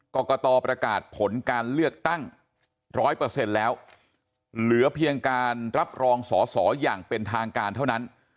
กรกตประกาศผลการเลือกตั้ง๑๐๐แล้วเหลือเพียงการรับรองสอสออย่างเป็นทางการเท่านั้น